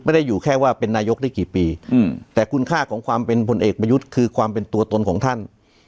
อยู่แค่ว่าเป็นนายกได้กี่ปีแต่คุณค่าของความเป็นพลเอกประยุทธ์คือความเป็นตัวตนของท่าน